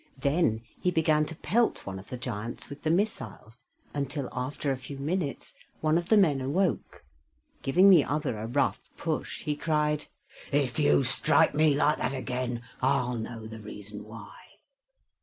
Then he began to pelt one of the giants with the missiles, until after a few minutes one of the men awoke. Giving the other a rough push, he cried: "If you strike me like that again, I'll know the reason why."